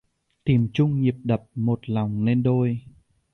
Tìm chung nhịp đập một lòng nên đôi.